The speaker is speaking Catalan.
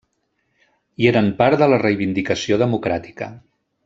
I eren part de la reivindicació democràtica.